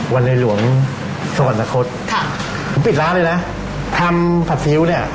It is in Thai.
ในหลวงสวรรคตค่ะผมปิดร้านเลยนะทำผัดฟิ้วเนี่ย